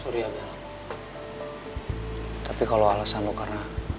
sori amel tapi kalau alasan lo karena